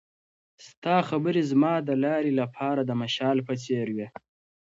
ستا خبرې زما د لارې لپاره د مشال په څېر وې.